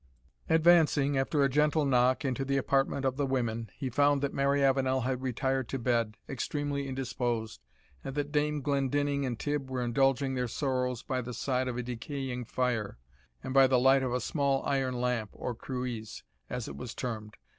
Advancing, after a gentle knock, into the apartment of the women, he found that Mary Avenel had retired to bed, extremely indisposed, and that Dame Glendinning and Tibb were indulging their sorrows by the side of a decaying fire, and by the light of a small iron lamp, or cruize, as it was termed.